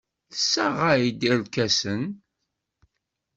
Tessaɣ-aɣ-d irkasen.